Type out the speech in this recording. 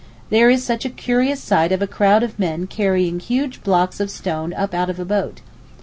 There is such a curious sight of a crowd of men carrying huge blocks of stone up out of a boat.